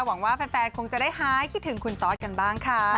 หวังว่าแฟนคงจะได้หายคิดถึงคุณตอสกันบ้างค่ะ